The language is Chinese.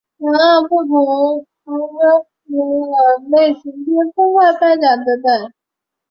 曾按不同类型片分开颁奖等等。